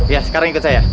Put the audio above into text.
ya sekarang ikut saya